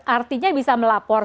artinya bisa melapor